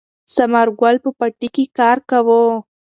ثمر ګل په پټي کې کار کاوه.